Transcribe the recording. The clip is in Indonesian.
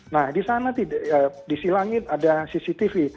nah di sana di silangit ada cctv